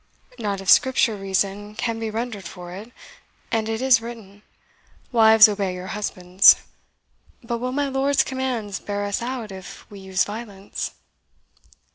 "Not if Scripture reason can be rendered for it; and it is written, 'Wives obey your husbands.' But will my lord's commands bear us out if we use violence?"